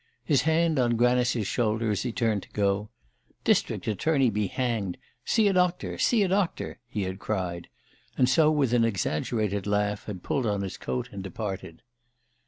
His hand on Granice's shoulder, as he turned to go "District Attorney be hanged; see a doctor, see a doctor!" he had cried; and so, with an exaggerated laugh, had pulled on his coat and departed.